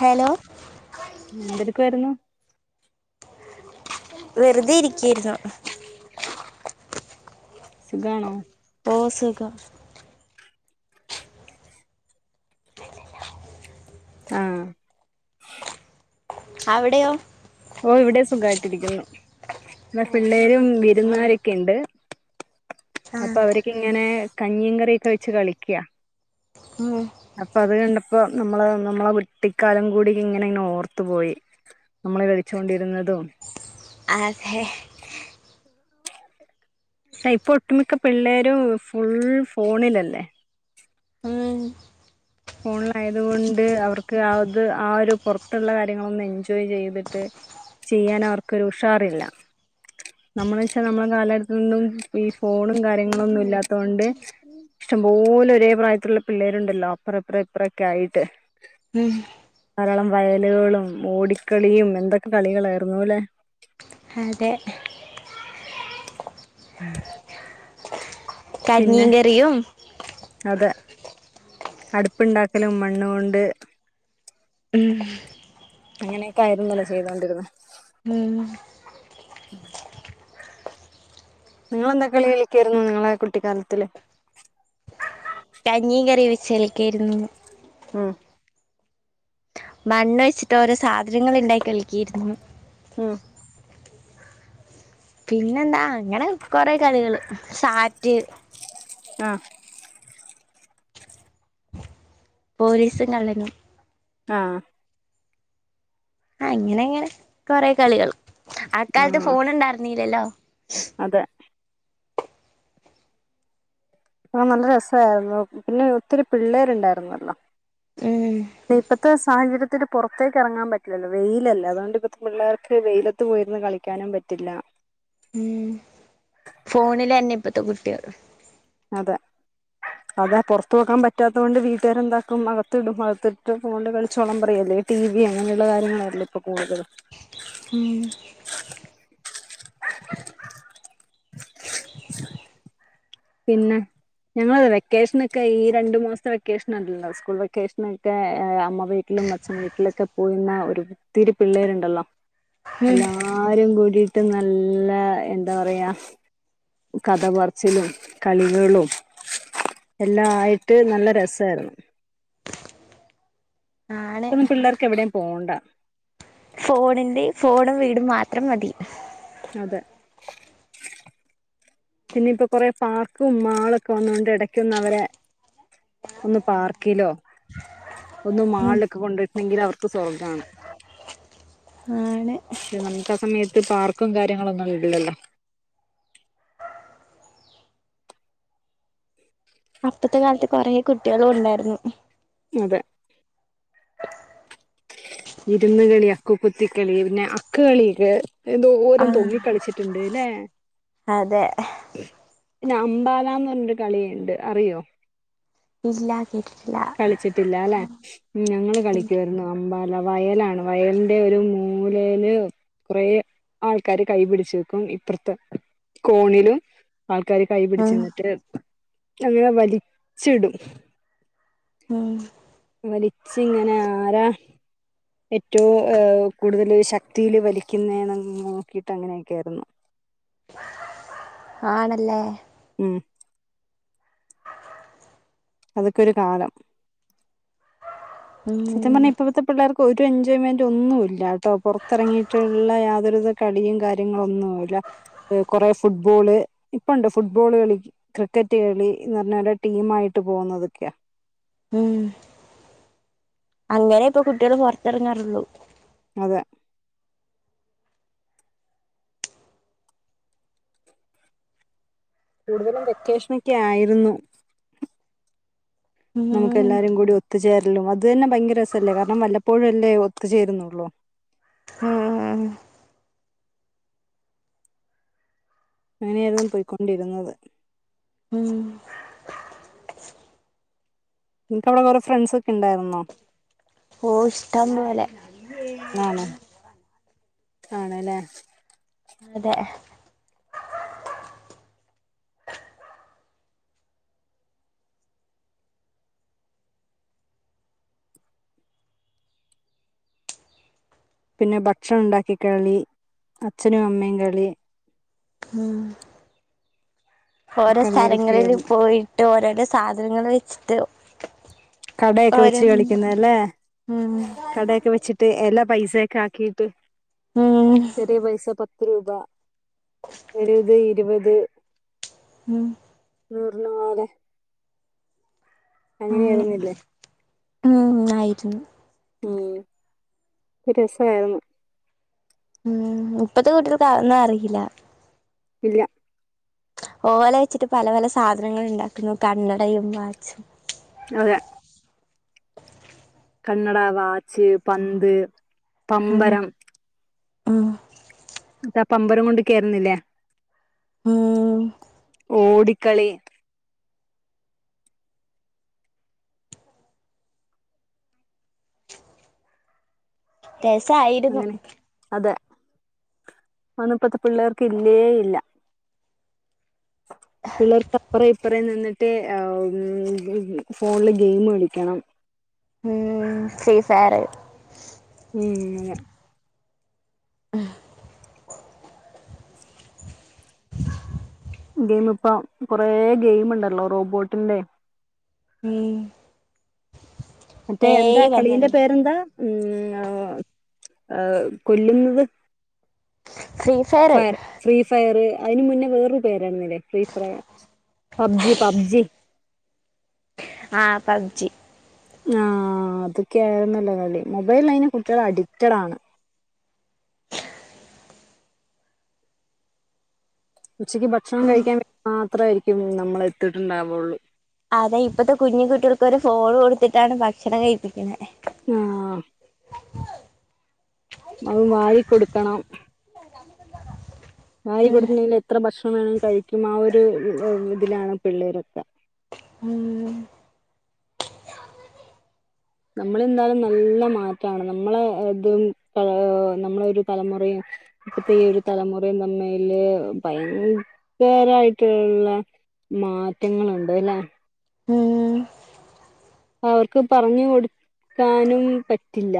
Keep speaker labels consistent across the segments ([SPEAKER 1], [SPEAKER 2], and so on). [SPEAKER 1] Hello
[SPEAKER 2] എന്തെടക്കെ വരുന്നു
[SPEAKER 1] വെറുതെ ഇരിക്കരിതോ
[SPEAKER 2] സഖണോ
[SPEAKER 1] ഓ സുഗം
[SPEAKER 2] ആഹ്
[SPEAKER 1] അവിടെയോ
[SPEAKER 2] ഓ ഇവിടെ സുഖമായിട്ടിരിക്കുന്നു പി പിള്ളേരും വിരുന്നരൊക്കെ ഉണ്ട് അപ്പൊ
[SPEAKER 1] ആഹ്
[SPEAKER 2] അവർക്ക്ങ്ങനെ കഞ്ഞീ കറിയൊക്കെ വെച്ച് കളിക്കുക
[SPEAKER 1] മ്മ്
[SPEAKER 2] അപ്പൊ അത് കണ്ടപ്പോ നമ്മള നമ്മളെ കുട്ടിക്കാലം കൂടി ഇങ്ങനെ ഇങ്ങനെ ഓർത്തു പോയി നമ്മൾ കളിച്ചുകൊണ്ടിരുന്നതും
[SPEAKER 1] അഹ്
[SPEAKER 2] സ ഇപ്പൊ ഒട്ടുമിക്ക പിള്ളേരും ഫുൾ ഫോണിലല്ലേ
[SPEAKER 1] ഉം
[SPEAKER 2] ഫോണിലായതുകൊണ്ട് അവർക്ക് ആത് ആ ഒരു പുറത്തുള്ള കാര്യങ്ങളൊന്ന് എൻജോയ് ചെയ്തിട്ട് ചെയ്യാൻ അവർക്കൊരു ഉഷാറില്ല നമ്മള വെച്ചാൽ നമ്മളെ കാലഘടത്തൊന്നും ഈ ഫോണും കാര്യങ്ങളും ഒന്നും ഇല്ലാത്തൊണ്ട് ഇഷ്ടംപോലെ ഒരേ പ്രായത്തിലുള്ള പിള്ളേരുണ്ടല്ലോ അപ്പറ അപ്പറ ഇപ്പ്രൊക്കെ ആയിട്ട്
[SPEAKER 1] ഉം
[SPEAKER 2] ധാരാളം വയലുകളും ഓടിക്കളിയും എന്തൊക്കെ കളികളായിരുന്നു അല്ലെ
[SPEAKER 1] അതെ
[SPEAKER 2] ഉം
[SPEAKER 1] കഞ്ഞിയും കറിയും
[SPEAKER 2] അതെ അടുപ്പുണ്ടാക്കലും മണ്ണ കൊണ്ട്
[SPEAKER 1] ഉം
[SPEAKER 2] അങ്ങനെയൊക്കെ ആയിരുന്നല്ലോ ചെയ്തുകൊണ്ടിരുന്നത്
[SPEAKER 1] ഉം
[SPEAKER 2] നിങ്ങളെന്താ കളിയിലക്കായിരുന്നു നിങ്ങളെ കുട്ടിക്കാലത്തില്
[SPEAKER 1] കഞ്ഞീ കറി വെച്ച്കൽക്കയിരുന്നു
[SPEAKER 2] ഉം
[SPEAKER 1] മണ്ണ് വെച്ചിട്ട് ഓരോ സാധനങ്ങൾ ഉണ്ടാക്കി കളിക്കിയിരുന്നു
[SPEAKER 2] ഉം
[SPEAKER 1] പിന്നെന്താ അങ്ങനെ കൊറെ കളികള് സാറ്റ്
[SPEAKER 2] ആഹ്
[SPEAKER 1] പോലീസും കള്ളനും
[SPEAKER 2] ആഹ്
[SPEAKER 1] അങ്ങനെങ്ങനെ കൊറെ കളികള് ആക്കാൽത്ത്
[SPEAKER 2] ആഹ്
[SPEAKER 1] ഫോണ് ഇണ്ടായിര്ന്നീലല്ലോ
[SPEAKER 2] അതെ ആഹ് നല്ല രസായിര്ന്നു പിന്നെ ഒത്തിരി പിള്ളേര്ണ്ടായിര്ന്നല്ലോ
[SPEAKER 1] ഉം
[SPEAKER 2] ഇപ്പത്തെ സാഹചര്യത്തില് പൊർത്തേക്ക് എറങ്ങാൻ പറ്റില്ലല്ലോ വെയിലല്ലേ അതോണ്ട് ഇപ്പത്തെ പിള്ളേർക്ക് വെയില ത്ത് പോയിര്ന്ന് കളിക്കാനും പറ്റില്ല
[SPEAKER 1] ഉം ഫോണില് തന്നെയാ ഇപ്പത്തെ കുട്ടികൾ
[SPEAKER 2] അതാ അതാ പൊറത്തു പോക്കാൻ പറ്റാത്തോണ്ട് വീട്ടുകാര് എന്താക്കും അകത്തിടും അകത്തിട്ട് ഫോണില് കളിച്ചോളാൻ പറയും അല്ലെ ടി വി അങ്ങനെയുള്ള കാര്യങ്ങളാ ഇവിടെ ഇപ്പം കൂടുതല്
[SPEAKER 1] ഉം
[SPEAKER 2] പിന്നെ ഞങ്ങളെ വെക്കോഷനൊക്കെ ഈ രണ്ട് മാസത്തെ വെക്കേഷൻ ഉണ്ടല്ലോ സ്കൂൾ വെക്കേഷനൊക്കെ അമ്മ വീട്ടിലും അച്ഛൻ വീട്ടിലൊക്കെ പോയി നിന്നാ ഒര് ഒത്തിരി പിള്ളേര് ഉണ്ടല്ലോ
[SPEAKER 1] ഉം
[SPEAKER 2] എല്ലാ രും കൂടീട്ട് നല്ല എന്താ പറയാ കഥ പറച്ചിലും കളികളും എല്ലാ ആയിട്ട് നല്ല രസമായിരുന്നു
[SPEAKER 1] ആണ്
[SPEAKER 2] ഇപ്പൊന്നും പിള്ളേർക്ക് എവിടേം പോവണ്ട
[SPEAKER 1] ഫോണെണ്ടേൽ ഫോണും വീടും മാത്രം മതി.
[SPEAKER 2] അതെ പിന്നെ ഇപ്പൊ കൊറേ പാർക്കും മളൊക്കെ വന്നോണ്ട് എടക്കൊന്നു അവരെ ഒന്ന് പാർക്കിലോ ഒന്ന്
[SPEAKER 1] ഉം
[SPEAKER 2] മാൾലൊക്കെ കൊണ്ടുപോയിട്ടുണ്ടങ്കിൽ അവർക്ക് സ്വർഗ്ഗമാണ്.
[SPEAKER 1] ആണ്.
[SPEAKER 2] പക്ഷെ നമുക്കാ സമയത്ത് പാർക്കും കാര്യങ്ങളൊന്നും ഇല്ലല്ലോ
[SPEAKER 1] അപ്പത്തെ കാലത്ത് കൊറെ കുട്ടികളും ഉണ്ടായിരുന്നു
[SPEAKER 2] അതെ ഇരുന്നുകളി, അക്കുത്തിക്കളി പിന്നെ അക്ക് കളിയൊക്കെ എന്തോരം
[SPEAKER 1] ആഹ്
[SPEAKER 2] തൊങ്ങി കളിച്ചിട്ട് ഉണ്ടല്ലേ
[SPEAKER 1] അതെ
[SPEAKER 2] പിന്നെ അമ്പാലാം എന്ന് പറഞ്ഞൊരു കളിയുണ്ട് അറിയോ
[SPEAKER 1] ഇല്ല കേട്ടിട്ടില്ല
[SPEAKER 2] കളിച്ചിട്ടല്ലേ ഞങ്ങള് കളിക്കുവാരുന്നു അമ്പാലാ വയലാണ് വയലിന്റെ ഒരു മൂലയില് കുറെ ആൾക്കാര് കൈപിടിച്ചു നിൽക്കും ഇപ്പറത്ത് കോണിലും ആൾക്കാര് കൈ പിടിച്ച്
[SPEAKER 1] ഉം
[SPEAKER 2] നിന്നിട്ട് അങ്ങനെ വലിച്ചിടും
[SPEAKER 1] ഉം
[SPEAKER 2] വലിച്ച് ഇങ്ങനെ ആരാ ഏറ്റവും കൂടുതല് ശക്തീയില് വലിക്കുന്നെ നോക്കീട്ട് അങ്ങനെയൊക്കെ ആയിരുന്നു.
[SPEAKER 1] ആണല്ലേ
[SPEAKER 2] ഉം അതൊക്കെ ഒരു കാലം സത്യം
[SPEAKER 1] ഉം
[SPEAKER 2] പറഞ്ഞാൽ ഇപ്പഴത്തെ പിള്ളേർ ഒരു എൻജോയ്മെന്റ് ഒന്നുല്ലാട്ടോ പൊറത്തിറങ്ങിട്ടുള്ള യാതൊരു വിധ കളിയും കാര്യങ്ങളൊന്നുല്ല. കൊറെ ഫുട്ബോള് ഇപ്പമുണ്ട് ഫുട്ബോള് കളി ക്രിക്കറ്റ് കളി എന്നുപറഞ്ഞാല് ടീമായിട്ട് പോന്നതൊക്കെയാ
[SPEAKER 1] ഉം അങ്ങനെയാ ഇപ്പൊ കുട്ടികള് പൊറത്തിറങ്ങാറ്ള്ളൂ
[SPEAKER 2] അതെ കൂടുതലും വെക്കേഷനൊക്കെ ആയിരുന്നു
[SPEAKER 1] ഉം
[SPEAKER 2] നമുക്ക് എല്ലാരും കൂടി ഒത്തുചേരലും അത് തന്നെ ഭയങ്കര രസല്ലേ കാരണം വല്ലപ്പോഴും അല്ലേ ഒത്ത്ചേരുന്നൊള്ളൂ
[SPEAKER 1] ഉം
[SPEAKER 2] അങ്ങനെയായിരുന്നു പൊയ്ക്കോണ്ടിരുന്നത്
[SPEAKER 1] ഉം
[SPEAKER 2] നിങ്ങൾക്ക് അവിടെ വേറെ ഫ്രണ്ട്‌സ് ഒക്കെ ഉണ്ടാരുന്നോ?
[SPEAKER 1] ഓഹ് ഇഷ്ടം പോലെ
[SPEAKER 2] ആണോ? ആണു അല്ലെ
[SPEAKER 1] അതെ
[SPEAKER 2] പിന്നെ ഭക്ഷണം ഉണ്ടാക്കി കളി, അച്ഛനും അമ്മയും കളി
[SPEAKER 1] ആഹ് ഓരോ
[SPEAKER 2] കളി
[SPEAKER 1] സ്ഥലങ്ങളില്
[SPEAKER 2] കളിക്കായിരുന്നു
[SPEAKER 1] പോയിട്ട് ഓരോരോ സാധനങ്ങള് വെച്ചിട്ട്
[SPEAKER 2] കടയൊക്കെ വെച്ച്
[SPEAKER 1] ഓരോന്ന്
[SPEAKER 2] കളിക്കുന്നെല്ലേ?
[SPEAKER 1] ഉം
[SPEAKER 2] കടയൊക്കെ വെച്ചി ട്ട് എല്ലാ പൈസെക്കെ ആക്കീട്ട്
[SPEAKER 1] ഉം
[SPEAKER 2] ചെറിയ പൈസ പത്ത് രൂപ ചെലേത് ഇരുവത്
[SPEAKER 1] ഉം
[SPEAKER 2] [unintelligible]
[SPEAKER 1] അങ്ങനെ
[SPEAKER 2] അങ്ങനെയാരുന്നില്ലേ
[SPEAKER 1] ഉം ആയിരുന്നു
[SPEAKER 2] ഉം ഒരു രസായിരുന്നു
[SPEAKER 1] ഉം ഇപ്പത്തെ കുട്ടികൾക്ക് അതൊന്നും അറീല
[SPEAKER 2] ഇല്ല
[SPEAKER 1] ഓല വെച്ചിട്ട് പല പല സാധനങ്ങൾ ഇണ്ടാക്കുന്നു കണ്ണടയും വാച്ചും
[SPEAKER 2] അതെ കണ്ണട വാച്ച് പന്ത്
[SPEAKER 1] ഉം
[SPEAKER 2] പമ്പരം
[SPEAKER 1] ആഹ്
[SPEAKER 2] ന്നട്ടാ പമ്പരം കൊണ്ട് കേറുന്നില്ലേ
[SPEAKER 1] ഉം
[SPEAKER 2] ഓടിക്കളി
[SPEAKER 1] രസായിരുന്നു
[SPEAKER 2] അങ്ങനെ അതെ അതോന്നും ഒന്നും ഇപ്പത്തെ പിള്ളേർക്ക് ഇല്ലേ ഇല്ല പിള്ളേര്ക്ക് അപ്പറേ ഇപ്പറേ നിന്നിട്ട് ഏഹ് ഫോണില് ഗെയിം കളിക്കണം
[SPEAKER 1] ഉം ഫ്രീ ഫയറ്
[SPEAKER 2] ഉം അതെ
[SPEAKER 1] [unintelligible]
[SPEAKER 2] ഗെയിം ഇപ്പം കൊറേ ഗെയിമ്ണ്ടല്ലോ റോബോട്ടിന്റെ
[SPEAKER 1] ഉം
[SPEAKER 2] മറ്റേ
[SPEAKER 1] ഏ
[SPEAKER 2] എന്താ
[SPEAKER 1] ഐ
[SPEAKER 2] കളീന്റെ
[SPEAKER 1] വന്നത്
[SPEAKER 2] പേരെന്താ ഉം ഏഹ് ഏഹ് കൊല്ലുന്നത്
[SPEAKER 1] free fire
[SPEAKER 2] fire free fire അയിനു മുന്നേ വേറൊരു പേരാര്ന്നിലേ ഫ്രീ ഫ്രയ പബ്ജി പബ്ജി
[SPEAKER 1] ആഹ് പബ്ജി
[SPEAKER 2] ആഹ് അതൊക്കെയാര്ന്നല്ലോ കളി മൊബൈലയിന് കുട്ടികള് അഡിക്റ്റഡ് ആണ് ഉച്ചക്ക് ഭക്ഷണം കഴിക്കാൻ വേണ്ടി മാത്രായിരിക്കും നമ്മള് എത്തിട്ടുണ്ടാവുള്ളൂ
[SPEAKER 1] അതെ ഇപ്പത്തെ കുഞ്ഞു ക്കുട്ടിയേൾക്കൊരു ഫോൺ കൊടുത്തിട്ടാണ് ഭക്ഷണം കഴിപ്പിക്കുന്നത്
[SPEAKER 2] ആഹ് അതും വാരി കൊടുക്കണം
[SPEAKER 1] [unintelligible]
[SPEAKER 2] വാരി കൊടുക്കാണെല് എത്ര ഭക്ഷണം വേണേലും കഴിക്കും ആഹ് ഒരു ഇതിലാണ് പിള്ളേരൊക്കെ
[SPEAKER 1] ഉം
[SPEAKER 2] നമ്മളെന്താലും നല്ല മാറ്റാണ് നമ്മളെ ഇതും ഏഹ് നമ്മളെ ഒരു തലമുറയും ഇപ്പത്തെ ഈ ഒരു തലമുറയും തമ്മില് ഭയങ്കരായിട്ടുള്ള മാറ്റങ്ങളുണ്ട് ല്ലേ
[SPEAKER 1] ഉം
[SPEAKER 2] അവർക്ക് പറഞ്ഞ് കൊടുക്കാനും പറ്റില്ല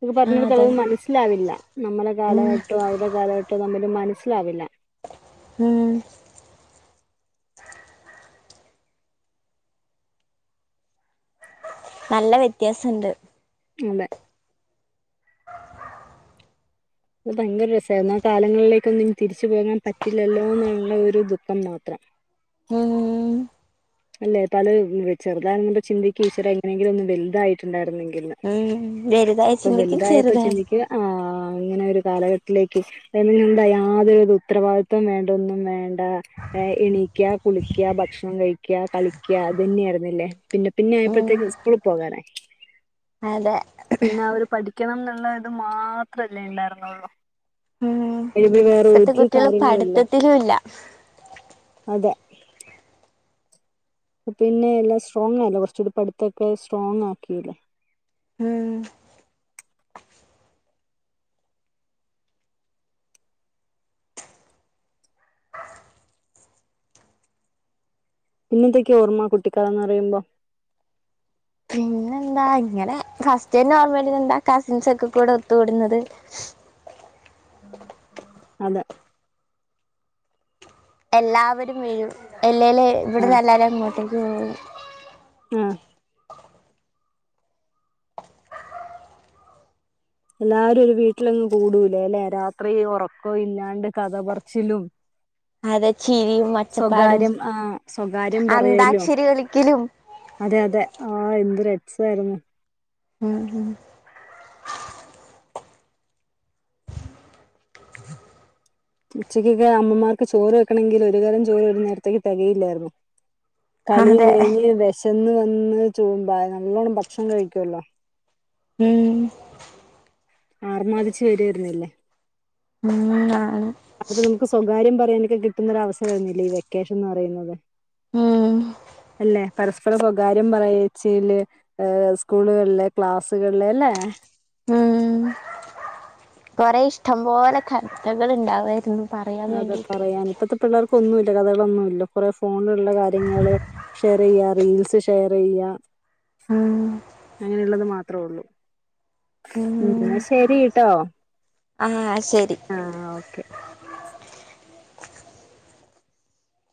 [SPEAKER 2] അവർക്ക്
[SPEAKER 1] ആ
[SPEAKER 2] പറഞ്ഞ് കൊടുത്താലും
[SPEAKER 1] അതെ
[SPEAKER 2] മനസ്സി മനസ്സിലാവില്ല നമ്മളെ
[SPEAKER 1] ഉം
[SPEAKER 2] കാലഘട്ടോ അവരുടെ കാലഘട്ടോ തമ്മില് മനസ്സിലാവില്ല
[SPEAKER 1] ഉം നല്ല വ്യത്യാസം ഉണ്ട്
[SPEAKER 2] അതെ അത് ഭയങ്കര രസമായിരുന്നു ആ കാലങ്ങളിലേക്കൊന്നും ഇനി തിരിച്ചു പോകാൻ പറ്റില്ലല്ലോ എന്നുള്ള ഒരു ദുഃഖം മാത്രം
[SPEAKER 1] ഉം
[SPEAKER 2] അല്ലേ പല ചെറുതാവുമ്പും ചിന്തിക്ക ഈശ്വര എങ്ങനെങ്കിലും ഒന്ന് വലുതായി
[SPEAKER 1] ഉം വലുതായ
[SPEAKER 2] [unintelligible]
[SPEAKER 1] ചിന്തിക്കും
[SPEAKER 2] വലുതായപ്പോ
[SPEAKER 1] ചെറുതായ
[SPEAKER 2] ചിന്തിക്കും ആഹ് ഇങ്ങനെ ഒരു കാലഘട്ടത്തിലേക്ക് [unintelligible] എന്താ യാതൊരുത് ഉത്തരവാദിത്വം വേണ്ട ഒന്നും വേണ്ട എണീക്ക കുളിക്കുക ഭക്ഷണം കഴിക്ക ക്ക കളിക്ക അത് തന്നെയായിയിുന്നില്ലേ പിന്നെ പിന്നെ
[SPEAKER 1] ഉം
[SPEAKER 2] ആയപ്പോഴത്തേക്ക് സ്കൂള പോകാനായി.
[SPEAKER 1] അതെ
[SPEAKER 2] പിന്നെ അവര് പഠിക്കണം എന്നുള്ളത് മാത്രല്ലേ ഉണ്ടായിരുന്നുള്ളു. അ വേറെ
[SPEAKER 1] ഇപ്പത്തെ
[SPEAKER 2] ഒരു
[SPEAKER 1] കുട്ടികള്
[SPEAKER 2] കാര്യങ്ങളുംല്ല.
[SPEAKER 1] പഠിത്തത്തിലും ഇല്ല
[SPEAKER 2] അതെ പിന്നെ എല്ലാം സ്ട്രോങ് ആല്ലോ കുറച്ചുകൂടി പഠത്തൊക്കെ സ്ട്രോങ്ങ് ആക്കിയില്ലേ. പിന്നെന്തൊക്കെ ഓർമ്മ കുട്ടിക്കാലം എന്ന് പറുമ്പോ?
[SPEAKER 1] പിങ്ങ എന്താ ഇങ്ങനെ, ഫസ്റ്റ് നോർമലി എന്താ കസിൻസ് ഒക്കെ കൂടെ ഒത്തുകൂടുന്നത്
[SPEAKER 2] അതെ
[SPEAKER 1] എല്ലാവരും വരും, അല്ലേൽ ഇവിടെ
[SPEAKER 2] ആ
[SPEAKER 1] നിന്ന് എല്ലാവരും അങ്ങോട്ടേക്ക് പോകും.
[SPEAKER 2] ആം എല്ലാരും ഒരു വീട്ടിലങ്ങ് കൂടൂലേ അല്ലെ രാത്രി ഉറക്കം ഇല്ലാണ്ട് കഥപച്ചിലും.
[SPEAKER 1] അതെ ചിരിയും ഒച്ചപ്പാടും
[SPEAKER 2] സ്വകാര്യം ആഹ സ്വകാര്യം പറയലും.
[SPEAKER 1] അന്താക്ഷരി കളിക്കലും
[SPEAKER 2] അതെ അതെ ആഹ, എന്ത് രസം ആയിരുന്നു.
[SPEAKER 1] ഉം ഉ...
[SPEAKER 2] ഉച്ചയ്ക്ക്ക്കെ അമ്മമാർക്ക് ചോറ് വെക്കണെങ്കിൽ ഒരു കലം ചോറ് വൈകുന്നേരത്തേക്ക് തികയില്ലായിരുന്നു. കളിയും
[SPEAKER 1] അതെ
[SPEAKER 2] കഴിഞ്ഞ് വിശന്ന് വന്ന് ചോമ്പാ നല്ലോണം ഭക്ഷണം കഴിക്കുവല്ലോ.
[SPEAKER 1] ഉം
[SPEAKER 2] ആറുമാതിച്ച് വരുമായിരുന്നല്ലേ!
[SPEAKER 1] ഉം
[SPEAKER 2] അത്ര നമക്ക് സ്വകാര്യം പറയാനൊക്കെ കിട്ടുന്നൊ ഒരു അവസരം ആയിരുന്നില്ലേ ഈ വെക്കേഷൻന്ന് പറയുന്നത്!
[SPEAKER 1] ഉം
[SPEAKER 2] അല്ലെ പരസ്പരം സ്വകാര്യം പറച്ചിൽ സ്കൂളുകളിലെ ക്ലാസ്സുകളിലെ അല്ലേ?
[SPEAKER 1] കുറെേ ഇഷ്ടം പോലെ കഥകൾ ഉണ്ടാവായിരുന്നു. പറയാൻ
[SPEAKER 2] അതെ
[SPEAKER 1] വേണ്ടിട്ട്
[SPEAKER 2] പറയാൻ ഇപ്പഴത്തെ പിള്ളേർക്ക ഒന്നുമില്ല, കഥകളൊന്നുമല്ല കുറെേ ഫോണിലുള്ള കാര്യങ്ങള് ഷെയർ ചെയ്യ, റീൽസ് ഷെയർ ചെയ്യ
[SPEAKER 1] ഉം
[SPEAKER 2] അങ്ങനെയുള്ളത് മാത്രേ ഉള്ളൂ, ഉ ശരിട്ടോ
[SPEAKER 1] ആഹ ശരി
[SPEAKER 2] ആ ഓക്കെ